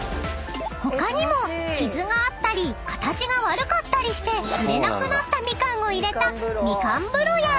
［他にも傷があったり形が悪かったりして売れなくなったみかんを入れた］